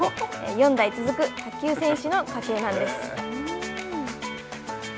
４代続く卓球選手の家系なんです。